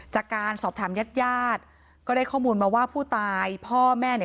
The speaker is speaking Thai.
จากการสอบถามญาติญาติก็ได้ข้อมูลมาว่าผู้ตายพ่อแม่เนี่ย